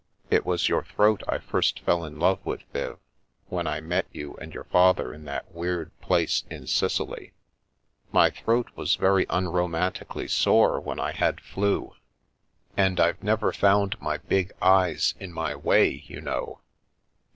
... It was your throat I first fell in love with, Viv, when I met you and your father in that weird place in Sicily." " My throat was very unromantically sore when I had The Milky Way 'flu/ And I've never found my big eyes in my way, you know